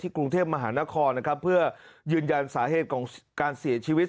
กรุงเทพมหานครนะครับเพื่อยืนยันสาเหตุของการเสียชีวิต